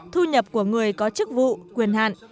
thu nhập của người có chức vụ quyền hạn